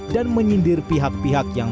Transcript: dan menyindir pihak pihak yang